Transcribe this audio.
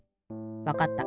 わかった。